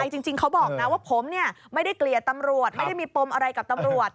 จริงเขาบอกนะว่าผมไม่ได้เกลียดตำรวจไม่ได้มีปมอะไรกับตำรวจ